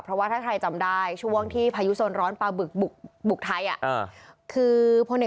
เพราะว่าถ้าใครจำได้ช่วงที่พายุโซนร้อนปลาบึกบุกไทย